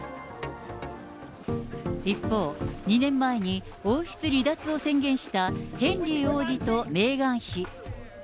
一方、２年前に王室離脱を宣言したヘンリー王子とメーガン妃。